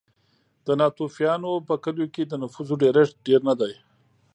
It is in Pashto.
د ناتوفیانو په کلیو کې د نفوسو ډېرښت ډېر نه دی.